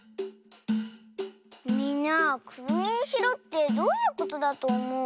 みんなくるみにしろってどういうことだとおもう？